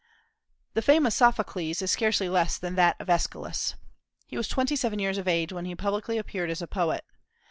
The fame of Sophocles is scarcely less than that of Aeschylus. He was twenty seven years of age when he publicly appeared as a poet.